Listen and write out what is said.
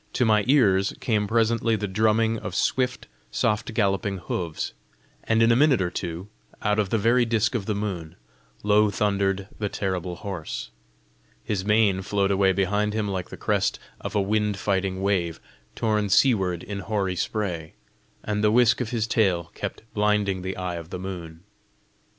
To my ears came presently the drumming of swift, soft galloping hoofs, and in a minute or two, out of the very disc of the moon, low thundered the terrible horse. His mane flowed away behind him like the crest of a wind fighting wave, torn seaward in hoary spray, and the whisk of his tail kept blinding the eye of the moon.